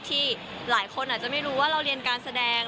ที่หลายคนอาจจะไม่รู้ว่าเราเรียนการแสดง